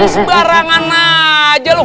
sembarangan aja lo